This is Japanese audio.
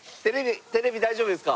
テレビ大丈夫ですか？